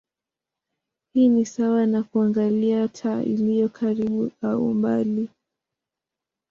Hii ni sawa na kuangalia taa iliyo karibu au mbali.